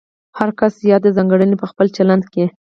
هر کس یادې ځانګړنې په خپل چلند کې